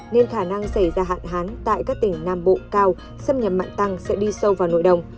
nên khả năng xảy ra hạn hán tại các tỉnh nam bộ cao xâm nhập mặn tăng sẽ đi sâu vào nội đồng